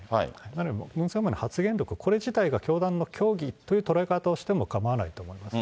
なので、ムン・ソンミョンの発言録、これ自体が教団の教義という捉え方をしてもかまわないと思います。